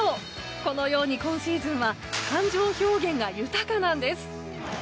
このように今シーズンは感情表現が豊かなんです。